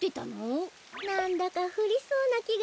なんだかふりそうなきがしたんですよ。